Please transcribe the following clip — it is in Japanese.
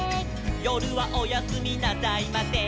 「よるはおやすみなさいません」